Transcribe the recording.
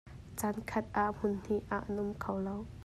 Caankhat ah hmunhnih ah na um kho lo.